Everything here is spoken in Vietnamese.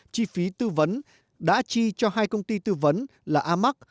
chi phí tư vấn đã chi cho hai công ty tư vấn là amac